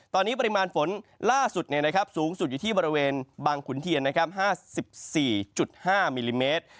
ตอนนี้ปริมาณฝนล่าสุดสูงสุดอยู่ที่บริเวณบางขุนเทียน๕๔๕มิลลิเมตร